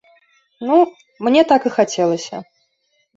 Ну, мне так і хацелася.